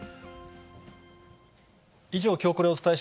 以上、きょうコレをお伝えし